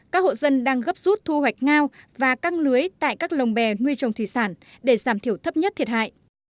các hộ dân đang gấp rút thu hoạch ngao và căng lưới tại các lồng bè nuôi trồng thủy sản để giảm thiểu thấp nhất thiệt hại